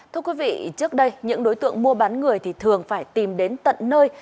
thưa quý vị trước đây những đối tượng mua bán người thì thường phải tìm đến tận nơi